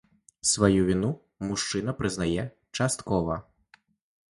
Сваю віну мужчына прызнае часткова.